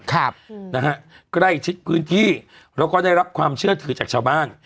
ครับนะฮะใกล้ชิดพื้นที่แล้วก็ได้รับความเชื่อถือจากชาวบ้าน